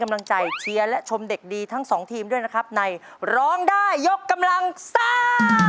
กำลังใจเชียร์และชมเด็กดีทั้งสองทีมด้วยนะครับในร้องได้ยกกำลังซ่า